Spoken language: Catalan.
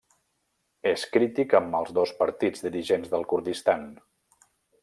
És crític amb els dos partits dirigents del Kurdistan.